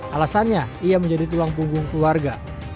alasannya ia menjadi tulang punggung keluarga